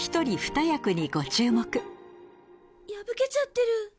破けちゃってる。